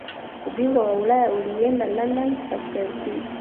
ubingwa wa ulaya ulienda london kwa chelsea